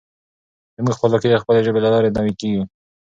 زموږ خپلواکي د خپلې ژبې له لارې نوي کېږي.